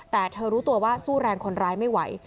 แต่เธอรู้ตัวว่าสู้แรงคนร้ายไม่ไหว